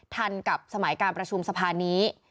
กับสมัยการประชุมสภานี้